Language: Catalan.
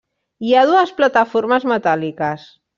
Hi ha dues plataformes metàl·liques.